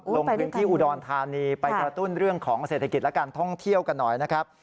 ลงพื้นที่อุดรธานีไปกระตุ้นเรื่องของเศรษฐกิจและการท่องเที่ยวกันหน่อยนะครับ